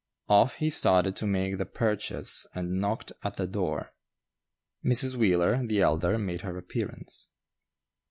Off he started to make the purchase and knocked at the door. Mrs. Wheeler, the elder, made her appearance.